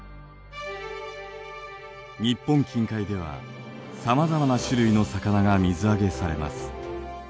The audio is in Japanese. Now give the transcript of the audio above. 日本近海ではさまざまな種類の魚が水揚げされます。